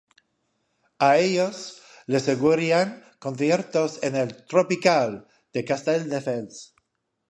A ellos le seguirían conciertos en el "Tropical" de Castelldefels.